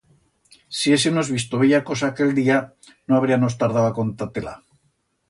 Si hésenos visto bella cosa aquel día no habríanos tardau a contar-te-la.